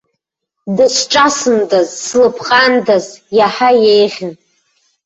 Дысҿасындаз, слыпҟандаз, иаҳа еиӷьын.